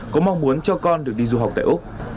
có mong muốn cho con được đi du học tại úc